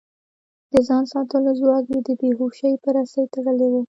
د ځان ساتلو ځواک يې د بې هوشۍ په رسۍ تړلی و.